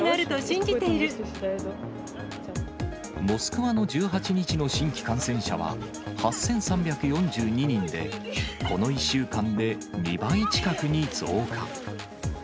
モスクワの１８日の新規感染者は、８３４２人で、この１週間で２倍近くに増加。